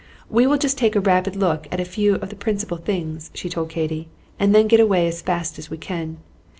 "We will just take a rapid look at a few of the principal things," she told Katy, "and then get away as fast as we can.